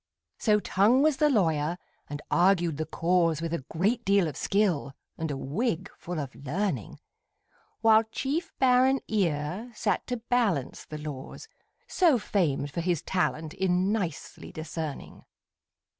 So Tongue was the lawyer, and argued the cause With a great deal of skill, and a wig full of learning; While chief baron Ear sat to balance the laws, So famed for his talent in nicely discerning.